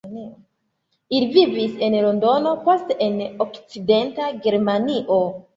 Ili vivis en Londono, poste en Okcidenta Germanio.